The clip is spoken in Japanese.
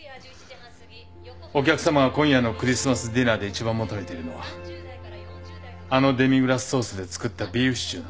お客さまは今夜のクリスマスディナーで一番求めているのはあのデミグラスソースで作ったビーフシチューなんだ。